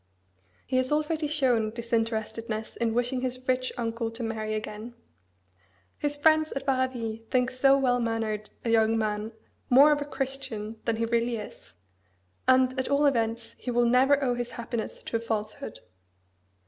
He has already shown disinterestedness in wishing his rich uncle to marry again. His friends at Varaville think so well mannered a young man more of a Christian than he really is; and, at all events, he will never owe his happiness to a falsehood.